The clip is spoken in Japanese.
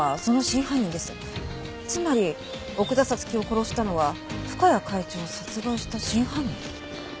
つまり奥田彩月を殺したのは深谷会長を殺害した真犯人？